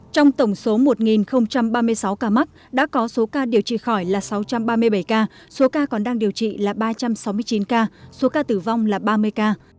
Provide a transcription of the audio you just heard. trong tổng số một ba mươi sáu ca mắc đã có số ca điều trị khỏi là sáu trăm ba mươi bảy ca số ca còn đang điều trị là ba trăm sáu mươi chín ca số ca tử vong là ba mươi ca